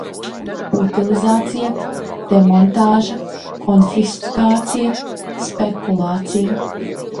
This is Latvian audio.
Utilizācija, demontāža, konfiskācija, spekulācija.